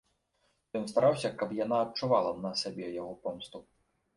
Ён стараўся, каб яна адчувала на сабе яго помсту.